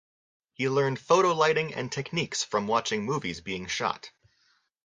He learned photo lighting and techniques from watching movies being shot.